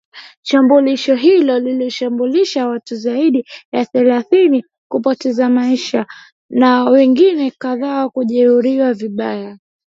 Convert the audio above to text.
shambulio hilo lililoshambabisha watu zaidi ya thelathini kupoteza maisha na wengine kadhaa kujeruhiwa vibaya